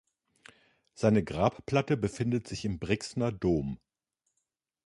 Seine Grabplatte befindet sich im Brixner Dom.